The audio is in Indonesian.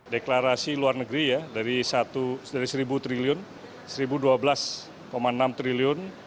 deklarasi luar negeri ya dari rp satu triliun rp satu dua belas enam triliun